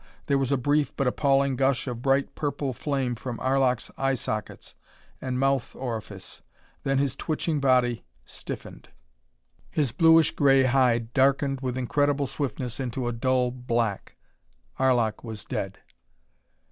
There was a brief but appalling gush of bright purple flame from Arlok's eye sockets and mouth orifice. Then his twitching body stiffened. His bluish gray hide darkened with incredible swiftness into a dull black. Arlok was dead.